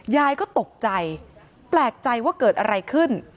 ยายก็ตกใจแปลกใจว่าเกิดอะไรขึ้น